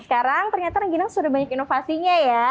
sekarang ternyata rengginang sudah banyak inovasinya ya